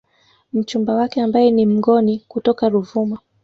Mchumba wake ambaye ni Mngoni kutoka Ruvuma